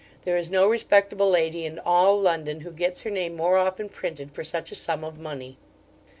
There is no respectable lady in all London who gets her name more often printed for such a sum of money.